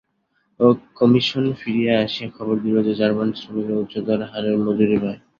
Commission ফিরিয়া আসিয়া খবর দিল যে, জার্মান শ্রমিকরা উচ্চতর হারে মজুরী পায়।